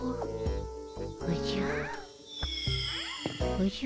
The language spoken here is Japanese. おじゃ？